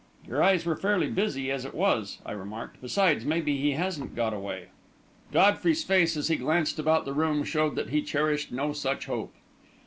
"Your eyes were fairly busy as it was," I remarked. "Besides, maybe he hasn't got away." Godfrey's face, as he glanced about the room, showed that he cherished no such hope.